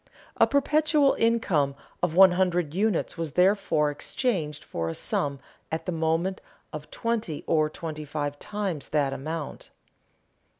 A perpetual income of one hundred units was therefore exchanged for a sum at the moment of twenty or twenty five times that amount.